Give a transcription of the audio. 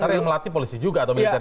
tapi melatih polisi juga atau militer